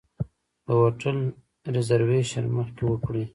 د هوټل ریزرویشن مخکې وکړئ.